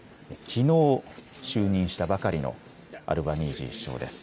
きのう就任したばかりのアルバニージー首相です。